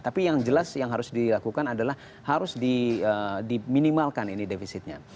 tapi yang jelas yang harus dilakukan adalah harus diminimalkan ini defisitnya